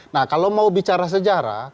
nah kalau mau bicara sejarah